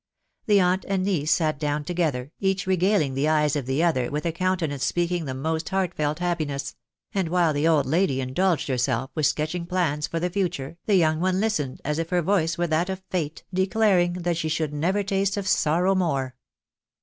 The aunt and niece sat down together, each regaling the eyes of the other with a countenance speaking the most heartfelt happiness ; and while the old lady indulged herself with sketching plans for the future, the young one listened as if her voice were that of Fate, declaring that she should never taste of sorrow more.